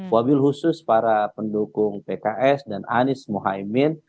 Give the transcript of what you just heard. wabil khusus para pendukung pks dan anies mohaimin